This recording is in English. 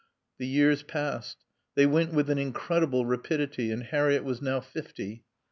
The years passed. They went with an incredible rapidity, and Harriett was now fifty.